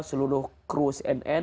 seluruh kru cnn